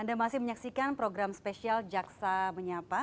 anda masih menyaksikan program spesial jaksa menyapa